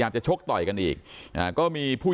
ท่านดูเหตุการณ์ก่อนนะครับ